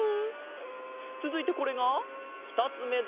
つづいてこれがふたつめだ。